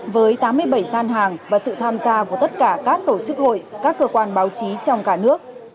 với tám mươi bảy gian hàng và sự tham gia của tất cả các tổ chức hội các cơ quan báo chí trong cả nước